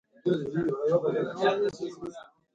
د پېغلې و کوس ته د ځوان غڼ لک شوی